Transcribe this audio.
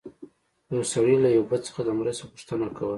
یو سړي له یو بت څخه د مرستې غوښتنه کوله.